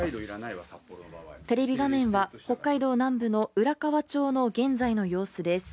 テレビ画面は北海道南部の浦河町の現在の様子です。